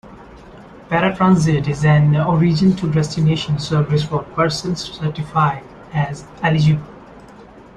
Paratransit is an Origin to Destination service for persons certified as eligible.